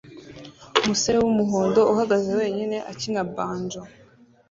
umusore wumuhondo uhagaze wenyine akina banjo